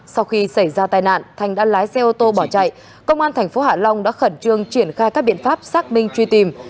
sau khi xảy ra tai nạn thanh đã lái xe ô tô bỏ chạy công an tp hạ long đã khẩn trương triển khai các biện pháp xác minh truy tìm